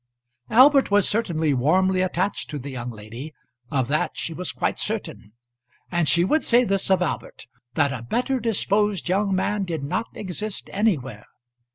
Albert was certainly warmly attached to the young lady. Of that she was quite certain. And she would say this of Albert, that a better disposed young man did not exist anywhere.